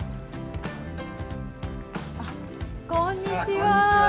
あこんにちは。